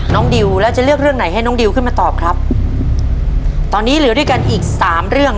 ดิวแล้วจะเลือกเรื่องไหนให้น้องดิวขึ้นมาตอบครับตอนนี้เหลือด้วยกันอีกสามเรื่อง